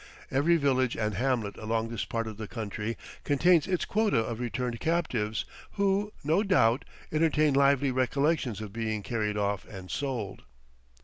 Every village and hamlet along this part of the country contains its quota of returned captives who, no doubt, entertain lively recollections of being carried off and sold.